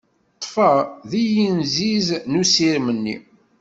Ṭṭfeɣ deg yinziz n usirem-nni.